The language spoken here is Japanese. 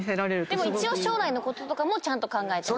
一応将来のこととかもちゃんと考えてます。